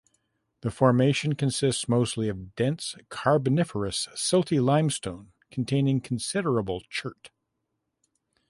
The formation consists mostly of dense carboniferous silty limestone containing considerable chert.